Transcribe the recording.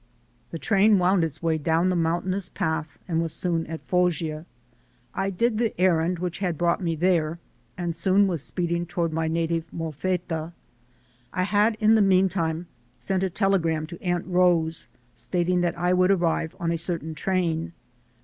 The train wound its way down the mountainous path and was soon at Foggia. I did the errand which had brought me there, and soon was speeding toward my native Molfetta. I had in the meantime sent a telegram to Aunt Rose stating that I would arrive on a certain train.